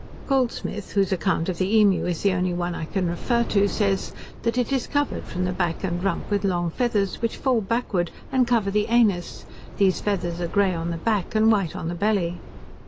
Goldsmith, whose account of the emu is the only one I can refer to, says, "that it is covered from the back and rump with long feathers, which fall backward, and cover the anus; these feathers are grey on the back, and white on the belly."